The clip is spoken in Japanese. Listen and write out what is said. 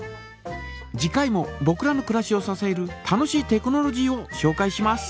次回もぼくらのくらしをささえる楽しいテクノロジーをしょうかいします。